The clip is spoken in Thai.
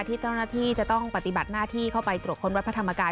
ที่เจ้าหน้าที่จะต้องปฏิบัติหน้าที่เข้าไปตรวจค้นวัดพระธรรมกาย